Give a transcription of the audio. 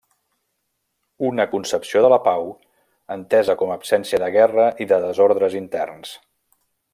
Una concepció de la pau entesa com a absència de guerra i de desordres interns.